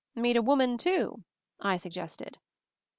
"Meet a woman, too?" I suggested.